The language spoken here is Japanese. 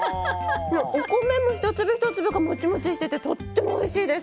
お米も一粒一粒がもちもちしていてとってもおいしいです！